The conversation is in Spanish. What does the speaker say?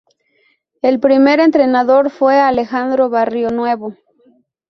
El primer entrenador fue Alejandro Barrionuevo.